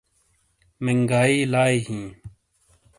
منگائ لائی ہی